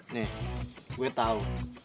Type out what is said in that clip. nih gue tau